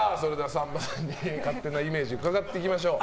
さんまさんに勝手なイメージ伺っていきましょう。